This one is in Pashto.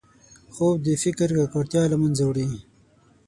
خوب د فکر ککړتیا له منځه وړي